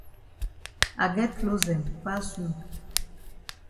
I get closs dem pass you.